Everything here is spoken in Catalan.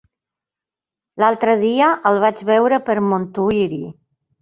L'altre dia el vaig veure per Montuïri.